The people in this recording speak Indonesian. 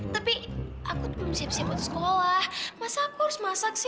tapi aku belum siap siap untuk sekolah masa aku harus masak sih